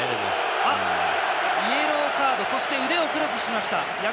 イエローカードそして、腕をクロスしました。